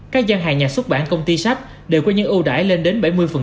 các gian hàng nhà xuất bản công ty sách đều có những ưu đải lên đến bảy mươi